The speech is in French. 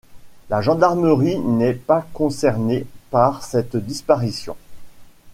La gendarmerie n'est pas concernée par cette disparition.